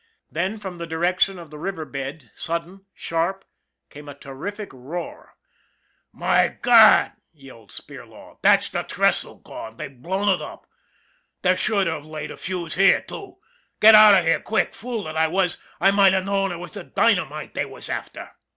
Then, from the direction of the river bed, sudden, sharp, came a terrific roar. " My God !" yelled Spirlaw. " There's the trestle gone they Ve blown it up ! They're sure to have laid a fuse here, too. Get out of here quick ! Fool that I was, I might have known it was the dynamite they were after."